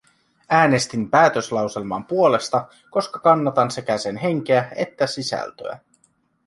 Äänestin päätöslauselman puolesta, koska kannatan sekä sen henkeä että sisältöä.